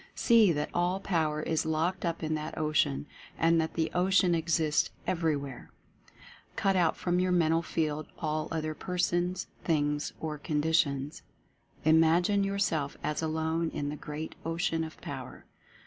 See that ALL POW ER is locked up in that ocean, and that the ocean ex ists EVERYWHERE. Cut out from your Mental Field all other persons, things or conditions. Imagine yourself as alone in the great Ocean of Power.